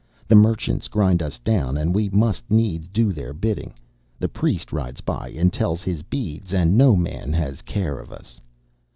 The merchants grind us down, and we must needs do their bidding. The priest rides by and tells his beads, and no man has care of us.